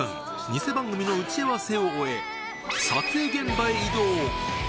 偽番組の打ち合わせを終え、撮影現場へ移動。